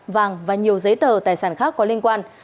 vàng và nhiều giấy tờ tài sản khác có liên quan